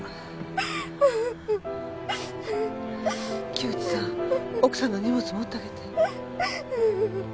木内さん奥さんの荷物持ってあげて。